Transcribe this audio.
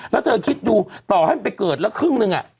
แล้วเธอคิดดูต่อให้มันเกิดและครึ่งนึงอะ